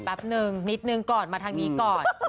แป๊บนึงนิดนึงก่อนมาทางนี้ก่อน